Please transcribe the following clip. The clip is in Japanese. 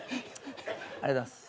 ありがとうございます。